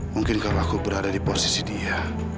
mungkin kalau aku berada di posisi dia